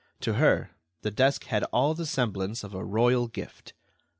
To her, the desk had all the semblance of a royal gift.